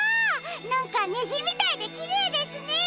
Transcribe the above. なんかにじみたいできれいですね。